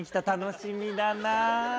楽しみだな。